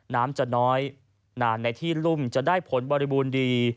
น้ำจะน้อยนานในที่รุ่มจะได้ผลบริบูรณ์ดี